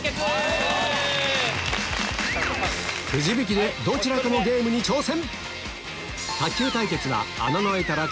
くじ引きでどちらかのゲームに挑戦！